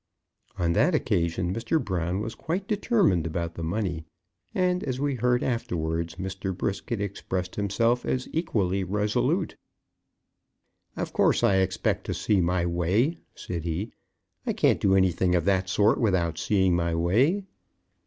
On that occasion Mr. Brown was quite determined about the money; and, as we heard afterwards, Mr. Brisket expressed himself as equally resolute. "Of course, I expect to see my way," said he; "I can't do anything of that sort without seeing my way."